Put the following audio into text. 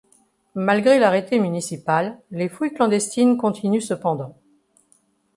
Malgré l'arrêté municipal, les fouilles clandestines continuent cependant.